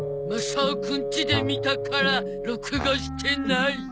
マサオくんちで見たから録画してない。